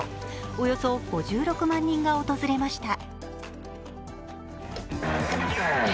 およそ５６万人が訪れました。